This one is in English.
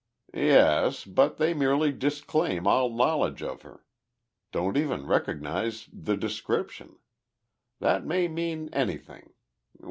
"Yes, but they merely disclaim all knowledge of her. Don't even recognize the description. That may mean anything.